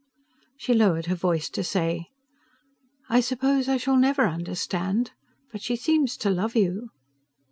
She lowered her voice to say: "I suppose I shall never understand; but she seems to love you..."